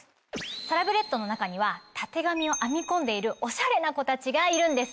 サラブレッドの中にはたてがみを編み込んでいるおしゃれな子たちがいるんです！